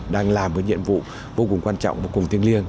đang làm với nhiệm vụ vô cùng quan trọng vô cùng thiêng liêng